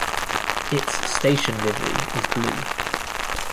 Its station livery is blue.